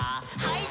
はい。